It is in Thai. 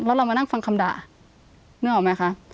แล้วเรามานั่งฟังคำด่านึกออกไหมคะ